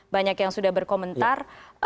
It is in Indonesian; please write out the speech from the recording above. banyak yang sudah berkomentar